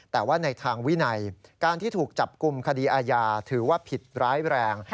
แต่ว่าในทางวินัยการที่ถูกจับกลุ่มคดีอาญาถือว่าผิดร้ายแรง